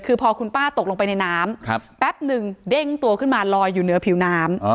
คือพอคุณป้าตกลงไปในน้ำแป๊บนึงเด้งตัวขึ้นมาลอยอยู่เหนือผิวน้ำ